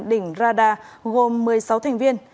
đỉnh rada gồm một mươi sáu thành viên